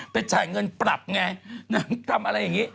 จ่ายเงินปรับไงนางทำอะไรอย่างนี้